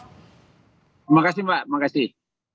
terima kasih mbak terima kasih